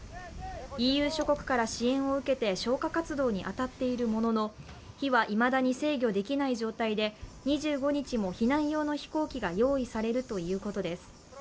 ＥＵ諸国から支援を受けて消火活動に当たっているものの火はいまだに制御できない状態で２５日も、避難用の飛行機が用意されるということです。